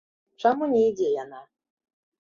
Чаму не ідзе яна?